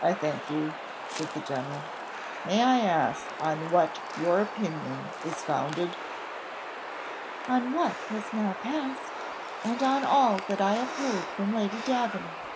"I thank you," said the general. "May I ask on what your opinion is founded?" "On what has now passed, and on all that I have heard from Lady Davenant."